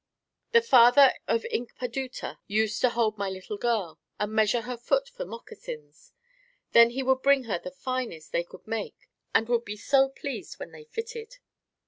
The father of Inkpadutah used to hold my little girl and measure her foot for moccasins. Then he would bring her the finest they could make and would be so pleased when they fitted.